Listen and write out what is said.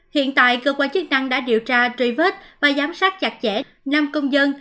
hiện tại cơ quan chức năng đã điều tra truy vết và giám sát chặt chẽ năm công dân